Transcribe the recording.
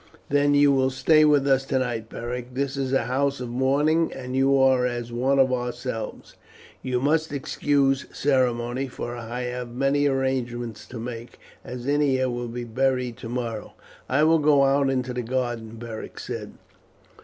"Then you will stay with us tonight, Beric. This is a house of mourning, but you are as one of ourselves. You must excuse ceremony, for I have many arrangements to make, as Ennia will be buried tomorrow." "I will go out into the garden," Beric said.